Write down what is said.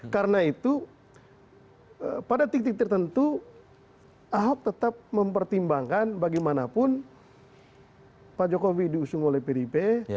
karena itu pada titik titik tertentu ahok tetap mempertimbangkan bagaimanapun pak jokowi diusung oleh pdip